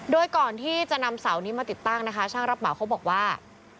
โดยก่อนที่จะนำเสานี้มาติดตั้งนะคะช่างรับเหมาเขาบอกว่า